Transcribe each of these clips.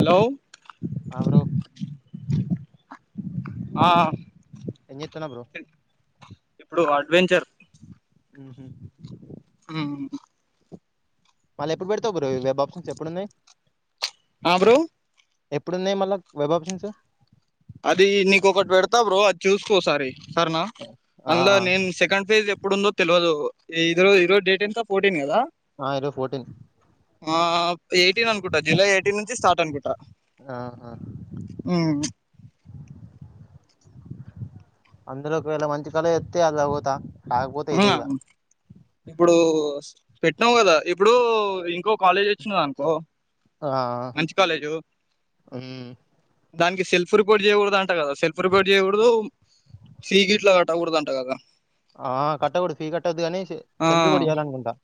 Hello ఆ bro ఆ ఏం జేత్తనావ్ బ్రో ఇప్పుడు అడ్వెంచర్ ఊహూ ఊమ్ మళ్ళ ఎప్పుడు పెడతావు బ్రో వెబ్ ఆప్షన్స్ ఎప్పుడున్నాయి ఆ బ్రో ఎప్పుడున్నాయి మళ్ళా వెబ్ ఆప్షన్సు అది నీకు ఒకటి పెడతా బ్రో అద్ చూసుకో ఓసారి సరెనా ఆ అందులో నేను సెకండ్ ఫేజ్ లో ఎప్పుడుందో తెల్వదు ఇది రో ఈరోజు డేట్ ఎంత ఫోర్టీన్ కదా ఆ ఈ రోజు ఫోర్టీన్ ఆ ఎయిటీన్ అనుకుంటా జులై ఎయిటీన్ నుంచి స్టార్ట్ అనుకుంటా ఆ ఆ ఊ అందులో ఒకవేళ మంచి కాలేజ్ ఒత్తే అందులో పోతా కాకపోతే ఇదే ఇక [unintelligible] ఇప్పుడు పెట్టినావు కదా ఇప్పుడు ఇంకో కాలేజ్ వచ్చింది అనుకో ఆ మంచి కాలేజు ఉమ్ దానికి సెల్ఫ్ రిపోర్ట్ చేయకూడదు అంట కదా సెల్ఫ్ రిపోర్ట్ చేయకూడదు సీ గిట్లా గట్టకూడదంట కదా ఆ కట్టకూడదు ఫీ కట్టద్దు కానీ సెలైఫ్ ఆ రిపోర్ట్ చేయాలనుకుంటా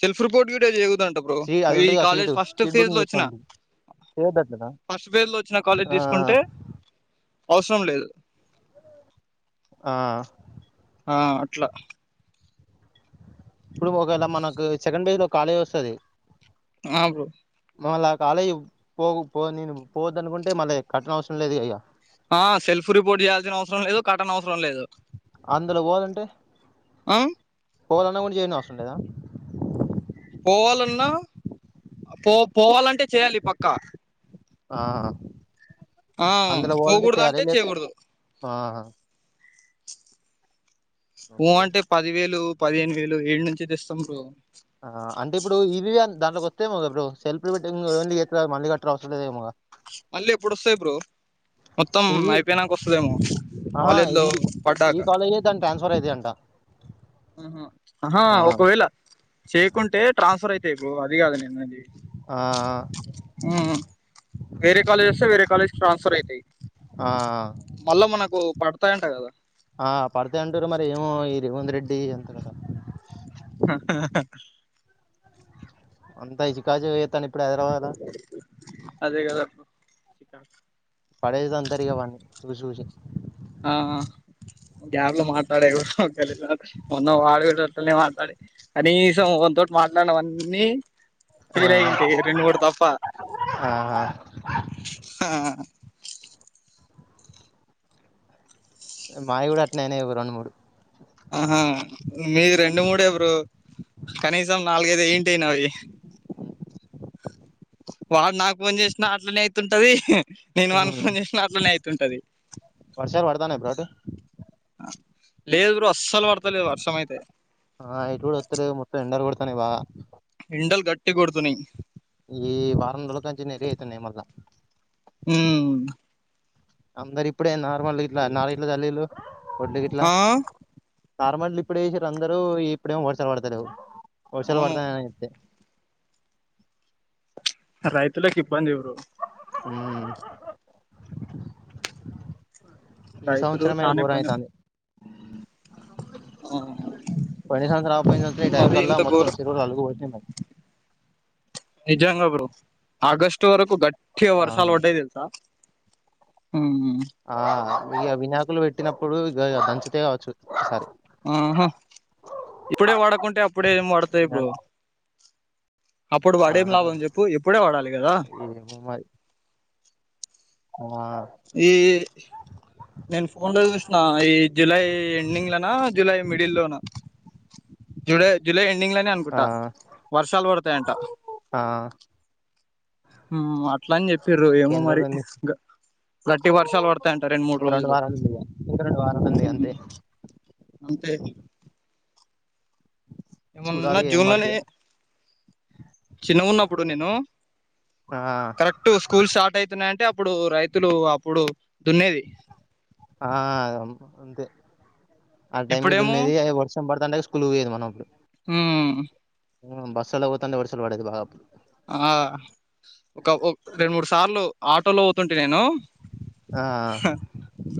సెల్ఫ్ రిపోర్ట్ వీడియో చేయగుతంట బ్రో, సీ అది ఈ ఉంటది కదా college seat first seat phase booking లో వచ్చినా చేసుకోవాలంటది చేయొద్దట్లనా ఫస్ట్ ఫేస్ లో వచ్చిన కాలేజ్ ఆ తీసుకుంటే, అవసరం లేదు. ఆ ఆ అట్ల ఇప్పుడు ఒకవేళ మనకు సెకండ్ ఫేస్ లో కాలేజ్ వస్తది. నాకు మల్ల ఆ కాలే పోకు పోనీరు, పోవద్దనుకుంటే మళ్ళీ ఇగ కట్టనవసరం లేదు గద ఇగ ఆ సెల్ఫ్ రిపోర్ట్ చేయాల్సిన అవసరం లేదు, కట్టనవసరం లేదు. అందులో పోవలంటే, ఆ పోవలన్నా గుడా చేయనివసరం లేదా? పోవాలన్నా పో పోవాలంటే చేయాలి పక్క. ఆ ఆ పోకూడదు అంటే చేయకూడదు. ఆహ పో ఓకే. అంటే పదివేలు, పదిహేను వేలు, ఏడు నుంచి తెస్తాం బ్రో? ఆ అంటే ఇప్పుడు ఇవి అం దాంట్లోకి వస్తే ఏమో కదా బ్రో, సెల్ఫ్ మీటింగ్ చెత్తదట మళ్ళీ కట్టనవసరం లేదేమోగ మళ్ళ ఎప్పుడొస్తయి బ్రో మొత్తం ఇవి అయిపోయినంక వస్తదేమో, ఆహా కాలేజ్ లో ఇంది ఈ పడ్డాక కాలేజే దాని ట్రాన్స్ఫర్ అయితయ్ అంట. ఆహ ఆహా ఆ ఒకవేళ చేయకుంటే ట్రాన్స్ఫర్ అయితాయి బ్రో, అది కాదు నేను అన్నది ఆ ఆ వేరే కాలేజ్ వస్తే, వేరే కాలేజ్ ట్రాన్స్ఫర్ అవుతయి ఆ మళ్ళా మనకు పడతాయంట కదా. ఆ పడితే అంటరు మరి ఏమో ఈ రేవంత్ రెడ్డి అంత కదా. అంతా ఇజి కాజు ఐతాన్నయ్ అదే కదా చిక పడేది తంతరిగా వాన్ని చూసి చూసి ఆ గాల్లో మాట్లాడేది కలిన్న మొన్న వాడుగిన అట్లనే మాట్లాడి అనీసం వంతోటి మాట్లాడవన్నీ ఆ ఫీర అయింటి రెండు మూడు తప్ప, ఆ ఆ మాయి గుడ అట్నే అయినయి ఒక రెండు మూడు ఆహా మీరు రెండు మూడే బ్రో, కనీసం నాలుగైదు అయింటై నావి వాడు నాకు ఫోన్ చేసిన అట్లనే అయితుంటది నేను వానికి ఉమ్. ఫోన్ చేసిన అట్లనే అయితుంటది. వర్షాలు పడతాన్నాయ బ్రో అటు ఆ లేదు బ్రో అస్సలు పడతలేదు వర్షం అయితే. ఆ ఇట్ గుడ వత్తలే మొత్తం, ఎండల్ కొడతన్నయ్ బాగా ఎండల్ గట్టిగ్ కొడుతున్నయ్ ఈ వారం రోజుల కాంచి నేరే అవుతున్నయి మళ్ళా ఉమ్ అందరు ఇప్పుడే నార్మల్ గిట్ల నారు గిట్ల జల్లీలు, ఒడ్లు గిట్ల. ఆ నార్మల్లీ ఇప్పుడే ఏసిర్రు అందరూ, ఇప్పుడేమో వర్షాలు పడతలేవ్, వర్షాలు అవును పడతానిత్తే రైతులకు ఇబ్బంది బ్రో ఉమ్ ఈ రైతులు సంవత్సరమే చాలా ఇబ్బంది ఘోరమైతాంద్. ఆ పోయిని సంవత్సరం ఆపోయిన్దంటే ఈ టైమ్ మరి కల్ల ఇంత మొత్తం, ఘోరం చెరువులు అలుగుబట్టినయ్. నిజమ్గా బ్రో ఆగస్ట్ వరకు గట్టిగ ఆ వర్షాలు వడ్డాయి తెల్సా. హు ఆ ఆ ఆ ఇగ వినాకులు పెట్టినప్పుడు ఇగ దంచుతాయ్ గావచ్చు [unintelligible] సారి ఆ హా ఇప్పుడే వాడకుంటే అప్పుడేమ్ వడతాయి బ్రో వినాయక అప్పుడు ఆ వాడేం లాభం జెప్పు ఇప్పుడే వడాలి గదా కో ఆ ఈ నేన్ ఫోన్ల్ల చూస్న ఈ జూలై ఎండింగ్లనా జూలై మిడిల్ల్లోనా జూలై జూలై ఎండింగ్లనే ఆ అనుకుట్టా వర్షాల్ పడతయంట ఆ ఆ మ్ అట్లన్ చెప్పిర్రు ఏమో ఇంకెన్ని మరి రోజులు ఉంది గ గట్టి వర్షాల్ పడతఅన్ట రెన్, మూడు ఇంక రెండు రోజులు వారాలు ఉంది ఇగ ఇంక రెండు వారాలు ఉంది హ్మూఁ అంతే అంతే ఏమనున్నా చూడాలి ఏం జూన్లోనే పడతాయో చిన్న గున్నప్పుడు నేనూ ఆ కరె క్ట్ స్కూల్ స్టార్ట్తున్నాయన్టే అప్పుడు రైతులు అప్పుడు దున్నేది ఆ అదమ్మ ఆన్న్తే ఆ టైం కి ఇప్పుడేమో దున్నేది [unintelligible] వర్షం బడతండేది స్కూల్కు [unintelligible] యేది మనం అప్పుడు. ఉమ్ ఆమ్ బస్సులో పోత [unintelligible] వర్షలు పడేది బాగా అప్పుడు ఆ ఒక ఓ రెండు, మూడు సార్లు ఆటోలో ఓతున్టి నేను. ఆ ఆ ఆ హ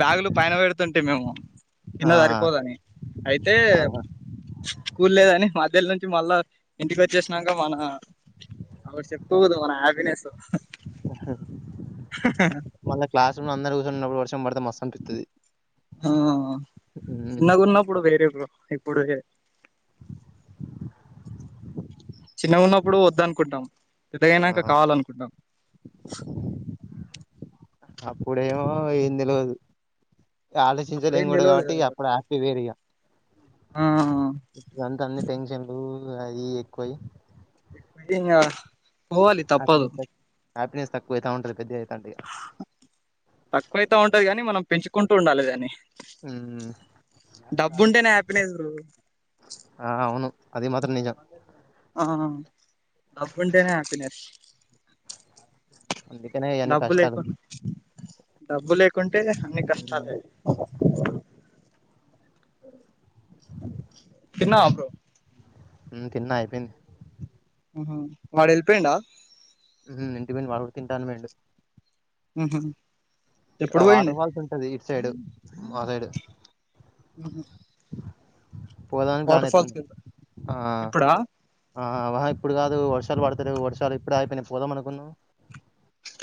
బ్యాగులు పైన పెడుతుంటిమ్ మేము కింద ఆ సరిపోదని అయితే ఆ ఐతే కూల్ లేదని మధ్యల్నుంచి మళ్ళా ఇంటికోచ్చేస్నాంక మనా అపుడు సేప్పు గదు మన హ్యాపీనెస్సు. మళ్ళ క్లాస్ రూమ్లో అందరూ కుసున్నప్పుడు వర్షం పడితే మస్సనిపిత్తది హ ఆ ఆ చిన్నగున్నప్పుడు వేరే బ్రో ఇప్పుడు వేరే చిన్నగ ఉన్నప్పుడు వద్దన్కుంటాం, ఆ పెద్దగయినాక కావాలన్కుంటాం. అప్పుడేమో ఏం తెల్వదు ఆలోచించలేమ్ అప్పుడేం గుడ, తెలవదు గవట్టిగ కదా అప్పుడు హ్యాపీ వేరిగా. ఆ ఇప్పుడంతా అన్ని టెన్షన్లు అయి ఎక్కువయి మ [unintelligible] ఇంగా పోవాలి తప్పదు హ్యాపీనెస్తక్ హ్యాపీనెస్ తక్కువైతవున్టది పెద్దగాయితంటె తక్కువైతాన్టది గని మనం పెంచుకుంటూ ఉండాలే దాన్ని మ్మ్ డబ్బున్టేనే హ్యాపీనెస్ బ్రో ఆ అవును అది మాత్రం నిజం ఆ ఆ డబ్బున్టేనే హ్యాపీనెస్ అందుకనే ఇయన్ని డబ్బు కష్టాలు లేకున్, డబ్బు లేకుంటే అన్ని కష్టాలే. మ్మ్ తిన్నవ బ్రో ఉమ్ తిన్న అయిపేన్ది ఉహ వాడేల్పేన్డా ఉ హు ఇంటికి పోయిండు వాడు కూడా తిన్టా అని పోయిండు ఉహు ఇక్కడ ఎప్పుడు వాటర్ పోయిండు ఫాల్స్ ఉంటది ఇటు సైడు మా సైడు అండి పోదానికి ప్లాన్ ఏత్తన్నా కి వెళ్తా. ఆ ఇప్పుడా ఆ వాహా ఇప్పుడు కాదు వర్షాలు పడతలేవు వర్షాలు ఇప్పుడే ఆగిపోయినాయి పోదాం అనుకున్నాం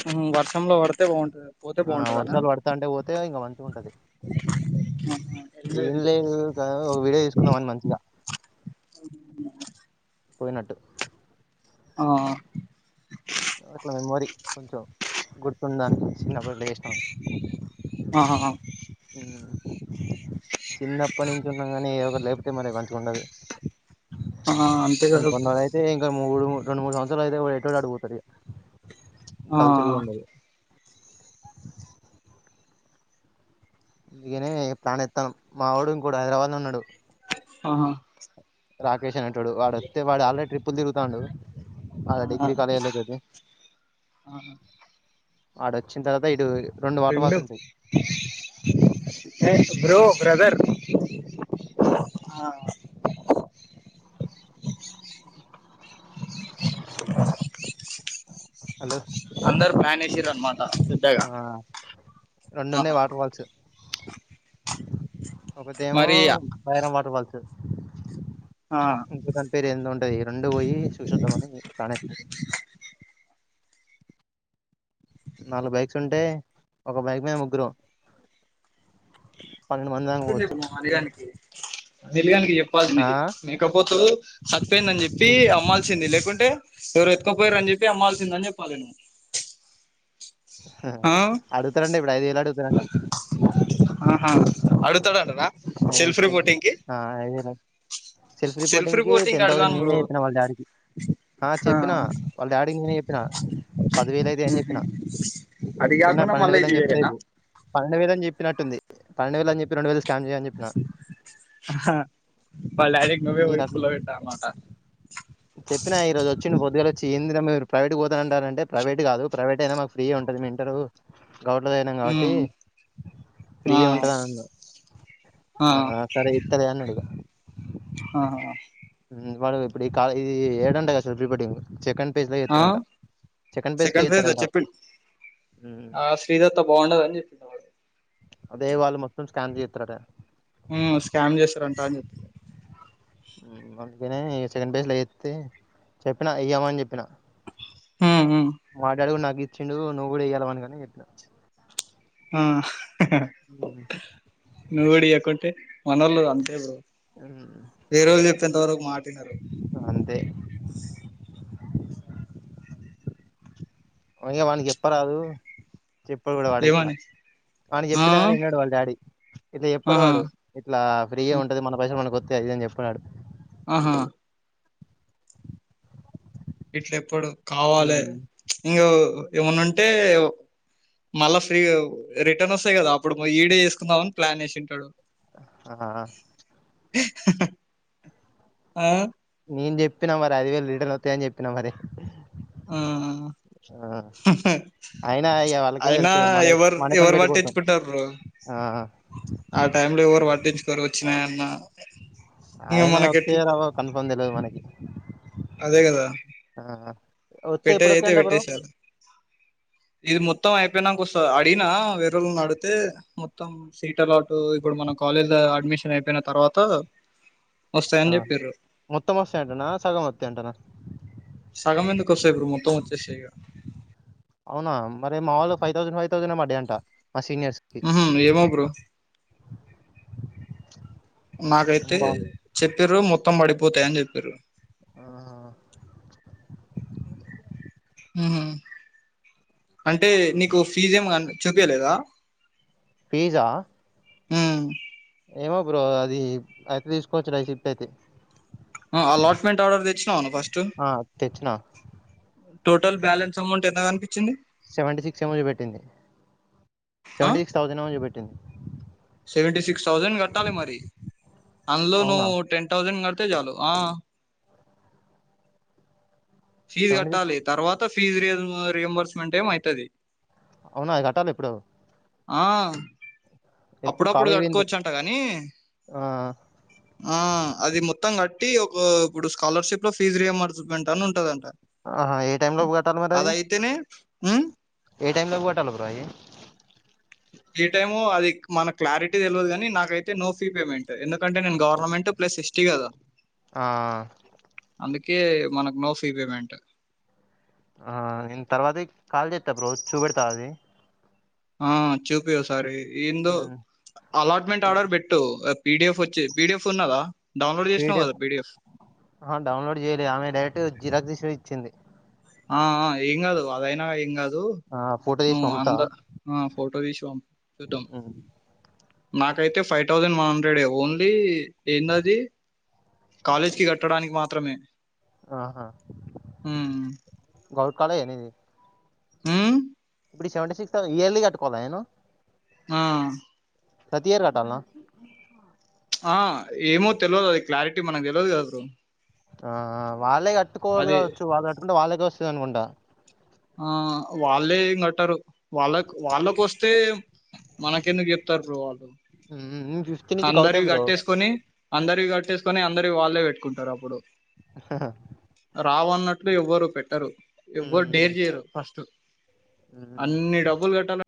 ఊ వర్షంలో పడితే బాగుంటది పోతే ఆ బాగుంటదనా వర్షాలు పడతాంటే పోతే ఇంకా మంచిగ ఉంటది, ఆహా ఏం వెళ్ళిపోయిండు లేదు [unintelligible] ఒక వీడియో తీసుకుందామని మంచిగా, పోయినట్టు ఆ అట్లా మెమోరీ కొంచెం గుర్తుండదానికి చిన్నప్పుడు వేశినం. ఆహాహా చిన్నప్పటి నుంచి ఉన్నా కానీ ఏ ఒకటి లేపు అయితే మరి మంచిగా ఉండదు ఆ అంతే కాదు ఏ ఇంకా మూడు రెండు మూడు సంవత్సరాలు ఆగితే ఎటోడు అటే పోతాడు ఇక, ఆ కలిసేది కూడా ఉండదు. ఇక నేనే ప్లాను వేత్తాం, మా వాడు ఇంకోడు హైదరాబాద్ లో ఉన్నడు. ఆహ రాకేష్ అనేటోడు, వాడు వస్తే వాడు ఆల్రెడీ ట్రిప్పులు తిగుతాండు. అ ఆ డిగ్రీ కాలేజ్ లో చదివి ఆ ఆడొచ్చిన తర్వాత ఈడు రెండు బ్రో బ్రదర్ హలో అందరు ప్లానేసిన్రు అన్నమాట ఆ రెండున్నాయి వాటర్ ఫాల్స్ ఒకటి ఏమో మరి ఆ భైరం వాటర్ ఫాల్స్, ఇంకోదాని పేరు ఏందో ఉంటది. రెండూ పోయి చూసొద్దమని ప్లాన్ నాలుగు బైక్స్ ఉంటే, ఒక బైక్ మీద ముగ్గురం పన్నెండు మంది దాకా చెప్పలేదు పోవచ్చు మామా అనిల్ గానికి, అనిల్ గానికి చెప్పాల్సింది ఆ? ఇది. మేకపోతు చచ్చిపోయిందని చెప్పి అమ్మాల్సింది, లేకుంటే ఎవరో ఎత్తుకుపోయారని చెప్పి అమ్మాల్సిందని చెప్పాలని హా ఆ అడుగుతాడంట, ఇప్పుడు ఐదువేలు అడుగుతాడంట. ఆహా అడుగుతాడంటనా సెల్ఫ్ ఏవిత్తరు, రిపోర్టింగ్ కి ఆ ఐదు వేలు సెల్ఫ్ రిపోర్టింగ్ కి టెన్ థౌజండ్ నేనే ఇత్తన్నా వాళ్ళ డాడీకి ఆ చెప్పినా, వాళ్ళ డాడీకి నేనే చెప్పినా పదివేల అయితయి అని చెప్పిన, అది చిన్నగ కాకుండా పన్నెండు మళ్ళా వేలు ఇది అని చెప్తే వేరేనా అయిపోవు పన్నెండు వేలని చెప్పినట్టుంది, పన్నెండు వేలని చెప్పి రెండువేలు స్కామ్ చే అహ్హా, వాళ్ళ డాడికి నువ్వే నేను పోయి పుల్ల పెట్టాలన్నమాట. చెప్పినా, ఈరోజు వచ్చిండు పొద్దుగాల వచ్చి ఏందిరా మీరు ప్రైవేటుకి పోతానంటారంటే, ప్రైవేట్ కాదు ప్రైవేట్ అయినా మాకు ఫ్రీయే ఉంటది, మేము ఇంటరు గౌట్ లో చదివినాం కాబట్టి, ఉమ్ ఆ ఫ్రీయే ఉంటది అనన్నం ఆ సరే ఇత్తలే అన్నాడు ఇగ ఆహా వాడు ఇప్పుడు ఈ కాలే ఈ ఏడంట కదా సెల్ఫ్ రిపోర్టింగ్, సెకండ్ ఫేజ్ లో ఆ ఇస్తారంట, సెకండ్ ఫేజ్ కే ఇత్తారంట ఆ శ్రీదత్త బాగుండదని చెప్పినడు వాడు అదే వాళ్ళు మొత్తం స్కాన్ చేస్తారట ఊ స్కామ్ చేస్తారంటా అని చెప్పి అందుకనే ఇగ సెకండ్ ప్లేస్ లో ఎత్తే చెప్పినా ఇయ్యామని చెప్పినా ఉ ఊ మా డాడీ కూడా నాకు ఇచ్చిండు నువ్వు కూడా ఇయ్యల వాని కని చెపిన ఆ ఊ నువు కూడ ఇయకుంటే మన్నోళ్లు అంతే బ్రో ఉమ్. వేరే వాళ్ళు చెప్పి ఎంత వరకు మాటినారు అంతే ఒ ఇగ వానికి చెప్పరాదు ఎప్పడు కూడా వాడు ఇట్లా ఏమని ఆన ఆ చెప్పినా కాని వినడు వాళ్ళ డాడీ ఇట్లా ఎప్పడు ఆహా వాడు ఇట్లా ఫ్రీగా ఉంటది మన పైసలు మనకి కొస్తాయ్ అది ఇది అని చెపడువాడు ఆహా ఇట్ల ఎప్పుడు కావాలి ఉమ్. ప్చ్ ఇంకా ఏమన్నా ఉంటే మళ్ళా ఫ్రీ గా రిటర్న్ వస్తాయి కదా అప్పుడు ఈడే చేసుకుందాం అని ప్లాన్ చేసింటాడు ఆ ఆ నేను చెప్పినా మరి ఐదువేలు రిటర్న్ అతయని చెప్పినా మరి ఆ చ అయినా ఇగ వాళ్ళకేం అయినా తెలుతది మన ఎవరు మన కొండ ఎవరు పెట్టి కొడతాం పట్టించుకుంటారు బ్రో ఆ ఆ టైమ్ లో ఎవరు పట్టించుకోరు వచ్చినాయన్న ఇంక ఆయన మనకి ఎట్ వస్తేయ రావో కన్ఫామ్ తెలిదు మనకి అదే కదా ఆ వస్తే పెట్టేది ఎప్పుడు అయితే వస్తాయంట బ్రో పెట్టేసేయాలి ఇది మొత్తం అయిపోయినాక ఒస్తా అడిగిన వేరళ్ని అడితే మొత్తం సీట్ అలాటు ఇప్పుడు మన కాలేజ్ ల అడ్మిషన్ అయిపోయిన తర్వాత ఆ వస్తాయని చెప్పిరు మొత్తం అస్త అంటనా సగ మత్త అంటనా సగం ఎందుకు ఒస్తయ్ బ్రో మొత్తం వచ్చేసేక అవునా మరి మా వాళ ఫైథౌసండ్ ఫైవ్ థౌసండ్ ఏ పడి అంట మా సీనియర్స్ కి ఉహు ఎమో బ్రో నాకైతే అబ్బా చెప్పిరు మొత్తం పడిపోతాయని చెప్పిరు ఆ అంటే నీకు ఫీజ్ ఏమి గన్ చూపియలేదా పిజా ఉ ఏమో బ్రో అది అయితే తీసుకోవచ్చు రాసిప్ట్ అయితే అలాట్మెంట్ ఆర్డర్ తెచ్చినావ నువ్ ఫస్ట్ ఆ తెచ్చిన టోటల్ బ్యాలెన్స్ అమౌంట్ ఎంత కనిపించింది సెవెంటీ సిక్స్ ఏమో చూపెట్టింది ఆ సెవెంటీ సిక్స్ థౌసండ్ ఏమో చూపెట్టింది సెవెంటీ సిక్స్ థౌజండ్ కట్టాలి మరి అందులో అవునా నువ్వు టెన్ థౌసండ్ కడితే చాలు ఆ ఫీజ్ సెవెంటీ సిక్స్ కట్టాలి తర్వాత ఫీజ్ రియము రియంబర్స్మెంట్ ఏమో ఐతది అవునా అది కట్టాలి ఇప్పుడు ఆ ఎప్పుడు అప్పుడప్పుడు కాలేజ్ పోయిన త- కట్టుకోవచ్చంట గానీ ఆ, ఆ అది మొత్తం కట్టి ఒకా ఇప్పుడు స్కాలర్షిప్ లో ఫీజ్ రీయింబర్స్మెంట్ అని ఉంటదంట. ఆహా, ఏ టైంలోపు కట్టాలి మరి అది అదైతెనే హ్ము ఏ టైంలోపు కట్టాల బ్రో అయి ఏ టైమొ అది మనకు క్లారిటీ తెల్వదు గాని నాకైతే నో ఫీ పేమెంట్ ఎందుకంటే నేను గవర్నమెంట్ ప్లస్ ఎస్ టీ గదా ఆ అందుకే మనకు నో ఫీ పేమెంట్. ఆ నేను తర్వాతిక్ కాల్ చేత్తా బ్రో చూపెడుతా అది. ఆ చూపియి ఓ చూ- సారి ఏందో ఉమ్, అలాట్మెంట్ ఆర్డర్ పెట్టు పీడిఎఫ్ వచ్చి పీడిఎఫ్ ఉన్నదా డౌన్లోడ్ చేసినవు గదా పీడిఎఫ్. అహా డౌన్లోడ్ చేయలే ఆమె డైరెక్టు జిరాక్స్ తీసే ఇచ్చింది. ఆ ఆ ఏం గాదు అదైనా ఏం గాదూ ఆ, ఫోటో తీసి నువ్వు పంపుతా అందా ఆ ఫోటో తీశి పంప్ చూద్దాం ఉమ్, నాకైతే ఫై థౌజండ్ వన్ హండ్రెడే ఓన్లీ ఏందదీ. కాలేజ్ కి కట్టడానికి మాత్రమే ఆహా ఉమ్. గౌట్ కాలేజే నీది హ్ము ఇప్పుడు ఈ సెవెంటీ సిక్స్ థౌస్ ఇయర్లీ కట్టుకోవాలా నేను ఆ ప్రతి ఇయర్ కట్టాల్నా ఆ ఏమో తెల్వదు అది క్లారిటీ మనకు తెల్వదు గదా బ్రో ఆ ఆ వాళ్ళే కట్టుకోవాలి అది గావచ్చు వాళ్ళు కట్టుకుంటే వాళ్ళేకే వస్తది అనుకుంటా. ఆ వాళ్ళే ఏం కట్టరు వాళ్ళక్ వాళ్ళకు వస్తే. మనక్ ఎందుకు చెప్తారు బ్రో వాళ్ళు ఫిఫ్త్ నుంచి గౌటే అందరివి బ్రో కట్టేసుకొనీ. అందరివి కట్టేసుకొని అందరివి వాళ్ళే పెట్టుకుంటారు అప్పుడు. రావు అన్నట్లు ఎవ్వరు పెట్టరు ఎవ్వర్ హ్మ్. ఇయరు ఫస్టు హ్మ్. అన్ని డబ్బులు కట్టాల